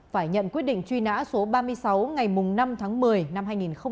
phải nhận quyết định truy nã số ba mươi sáu ngày năm tháng một mươi năm hai nghìn một mươi